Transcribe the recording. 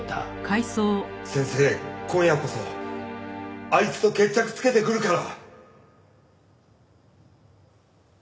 今夜こそあいつと決着つけてくるから。